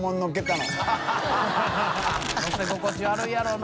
のせ心地悪いやろうな。